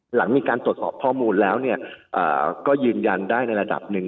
หลังมีการตรวจสอบข้อมูลแล้วก็ยืนยันได้ในระดับหนึ่ง